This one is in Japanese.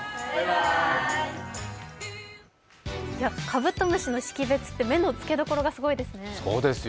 カブトムシの識別って目のつけどころがすごいですね。